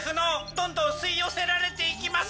どんどん吸い寄せられていきます。